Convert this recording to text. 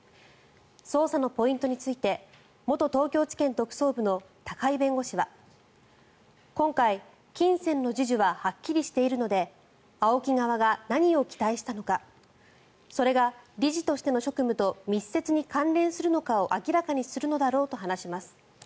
捜査のポイントについて元東京地検特捜部の高井弁護士は今回、金銭の授受ははっきりしているのでＡＯＫＩ側が何を期待したのかそれが理事としての職務と密接に関連するのかを明らかにするのだろうと話します。